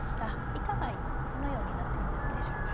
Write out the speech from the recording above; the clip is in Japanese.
以下はどのようになっていますでしょうか。